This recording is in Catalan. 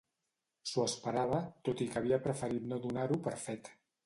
S'ho esperava, tot i que havia preferit no donar-ho per fet.